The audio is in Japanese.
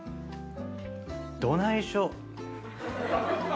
どないしよ？